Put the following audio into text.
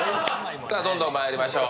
どんどんまいりましょう。